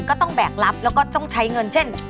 แบกรับแล้วก็ต้องใช้เงินเช่น